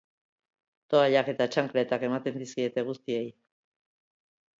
Toallak eta txankletak ematen dizkiete guztiei.